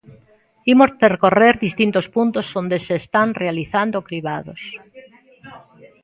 Imos percorrer distintos puntos onde se están realizando cribados.